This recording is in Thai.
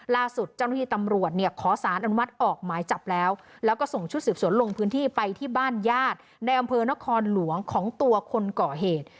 ล่าสุดเจ้าหน้าที่ตำรวจเนี่ยขอสารอนุมัติออกหมายจับแล้วแล้วก็ส่งชุดสืบสวนลงพื้นที่ไปที่บ้านญาติในอำเภอนครหลวงของตัวคนก่อเหตุ